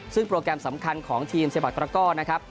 ซึ่งโปรแกรมสำคัญของทีมเซบัตรตระก้อนะครับ